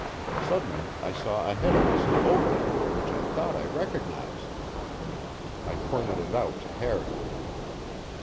Suddenly I saw ahead of us an opening which I thought I recognized. I pointed it out to Harry.